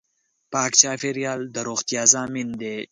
پاک چاپېریال د روغتیا ضامن دی.